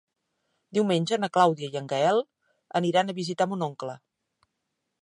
Diumenge na Clàudia i en Gaël aniran a visitar mon oncle.